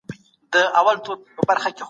ګلان ښکلي دي.